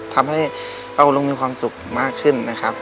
ทำให้ป้ากับลุงมีความสุขมากขึ้นนะครับ